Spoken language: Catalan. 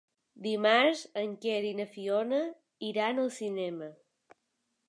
Dimarts en Quer i na Fiona iran al cinema.